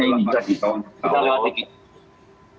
kita lewat dikit